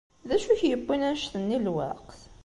D acu k-yewwin annect-nni n lweqt?